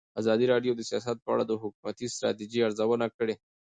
ازادي راډیو د سیاست په اړه د حکومتي ستراتیژۍ ارزونه کړې.